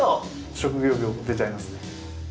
職業病出ちゃいますね。